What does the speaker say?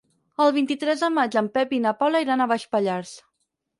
El vint-i-tres de maig en Pep i na Paula iran a Baix Pallars.